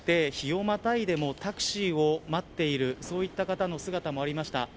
日をまたいでもタクシーを待っているそういった方々の姿もありました。